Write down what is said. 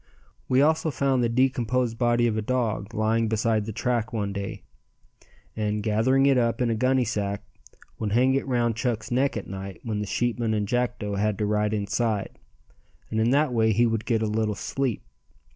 We also found the decomposed body of a dog lying beside the track one day, and gathering it up in a gunnysack would hang it round Chuck's neck at night when the sheepmen and Jackdo had to ride inside, and in that way he would get a little sleep.